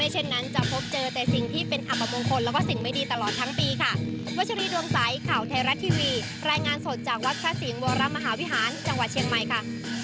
จังหวัดเชียงใหม่ค่ะ